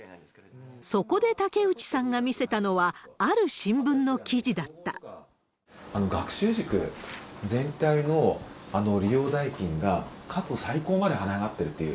そこで竹内さんが見せたのは、学習塾全体の利用代金が、過去最高まで跳ね上がっているという。